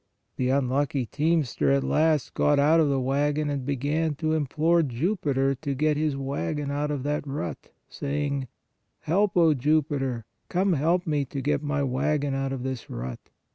The unlucky teamster at last got out of the wagon and began to implore Jupiter to get his wagon out of that rut, saying: "Help, O Jupiter; come help me to get my wagon out of this rut!"